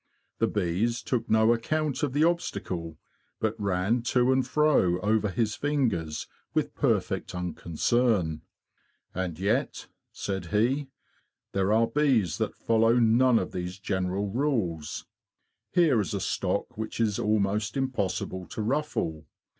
The bees took no account of the obstacle, but ran to and fro over his fingers with perfect unconcern. '* And yet,'' said he, '' there are bees that follow none of these general rules. Here is a stock which it is almost impossible to ruffle.